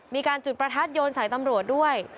มีการจุดประทัดโยนใส่ตำรวจด้วย